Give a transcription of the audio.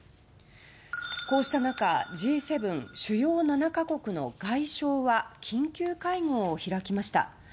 こうした中Ｇ７・主要７か国の外相は緊急会合を開きました。